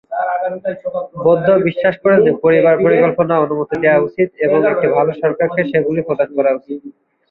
বৌদ্ধ বিশ্বাস করেন যে পরিবার পরিকল্পনার অনুমতি দেওয়া উচিত এবং একটি ভাল সরকারকে সেগুলি প্রদান করা উচিত।